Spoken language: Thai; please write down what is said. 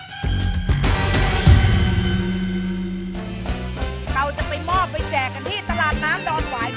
เราจะไปมอบไปแจกกันที่ตลาดน้ำดอนหวาย